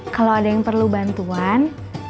kalau ada yang perlu bantuan